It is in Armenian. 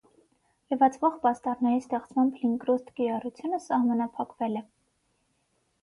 Լվացվող պաստառների ստեղծմամբ լինկրուստ կիրառությունը սահմանափակվել է։